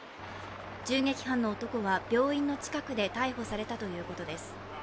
銃撃犯の男は病院の近くで逮捕されたということです。